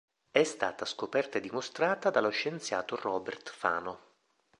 È stata scoperta e dimostrata dallo scienziato Robert Fano.